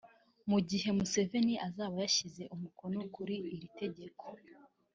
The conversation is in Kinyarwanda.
Mu gihe Museveni azaba yashyize umukono kuri iri tegeko